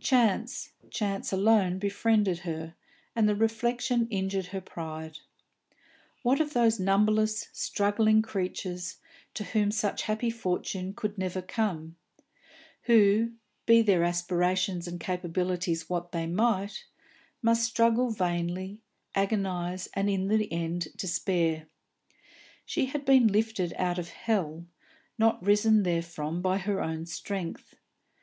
Chance, chance alone befriended her, and the reflection injured her pride. What of those numberless struggling creatures to whom such happy fortune could never come, who, be their aspirations and capabilities what they might, must struggle vainly, agonise, and in the end despair? She had been lifted out of hell, not risen therefrom by her own strength.